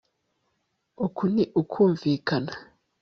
Uku ni ukutumvikana